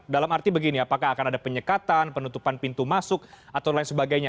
dalam arti begini apakah akan ada penyekatan penutupan pintu masuk atau lain sebagainya